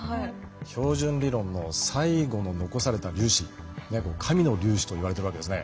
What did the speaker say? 標準理論の最後の残された粒子神の粒子といわれてるわけですね。